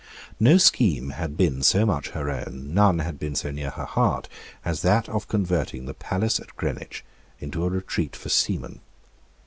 No scheme had been so much her own, none had been so near her heart, as that of converting the palace at Greenwich into a retreat for seamen.